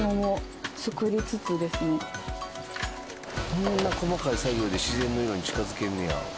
こんな細かい作業で自然の色に近づけんねや。